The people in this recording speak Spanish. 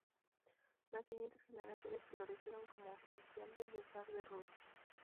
Las siguientes generaciones florecieron como oficiales del zar de Rusia.